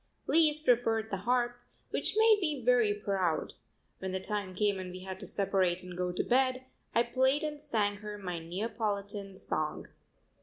Lise preferred the harp, which made me very proud. When the time came and we had to separate and go to bed, I played and sang her my Neapolitan song.